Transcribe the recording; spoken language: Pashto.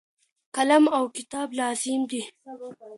قلم او کتاب لازم دي.